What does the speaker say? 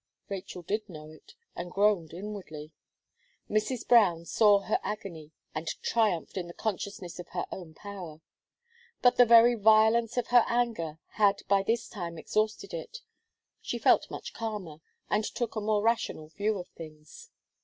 Rachel did know it, and groaned inwardly. Mrs. Brown saw her agony, and triumphed in the consciousness of her own power. But the very violence of her anger had by this time exhausted it; she felt much calmer, and took a more rational view of things.